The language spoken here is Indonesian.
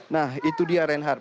nah itu dia reinhardt